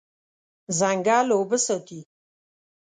ځنګل اوبه ساتي.